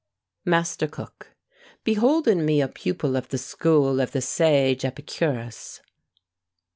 MASTER COOK. Behold in me a pupil of the school Of the sage Epicurus.